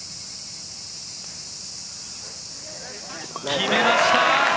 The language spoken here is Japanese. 決めました！